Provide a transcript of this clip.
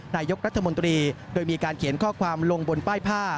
นายกรัฐมนตรีโดยมีการเขียนข้อความลงบนป้ายผ้า